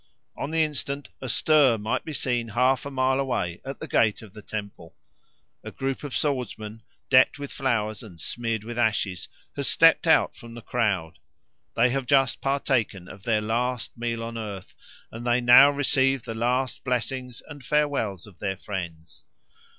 On the instant a stir might be seen half a mile away at the gate of the temple. A group of swordsmen, decked with flowers and smeared with ashes, has stepped out from the crowd. They have just partaken of their last meal on earth, and they now receive the last blessings and farewells of their friends.